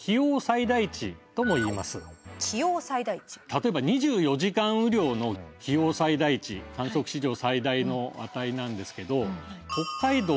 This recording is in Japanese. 例えば２４時間雨量の既往最大値観測史上最大の値なんですけど北海道